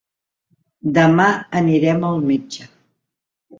Demà anirem al metge.